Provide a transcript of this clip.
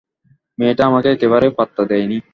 মেয়েটা আমাকে একেবারেই পাত্তা দেয় নি।